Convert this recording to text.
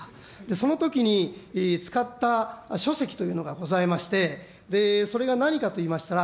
そのときに使った書籍というのがございまして、で、それが何かと言いましたら、